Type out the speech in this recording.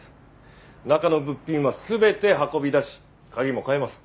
中の物品は全て運び出し鍵も換えます。